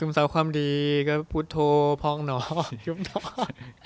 ซึมซับความดีก็พูดโทรพร้องน้อยุ่มนอจ